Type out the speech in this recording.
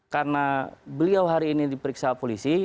karena beliau hari ini diperiksa polisi